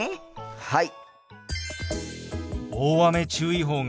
はい！